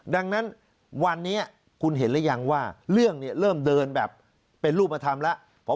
ดังนั้นวันนี้คุณเห็นหรือยังว่าเรื่องนี้เริ่มเดินแบบเป็นรูปธรรมแล้ว